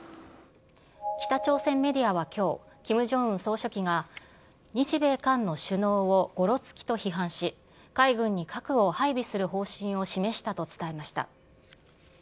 北朝鮮メディアはきょう、キム・ジョンウン総書記が日米韓の首脳をごろつきと批判し、海軍に核を配備する方針を示したと伝えました。